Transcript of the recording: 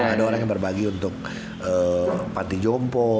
ada orang yang berbagi untuk panti jompo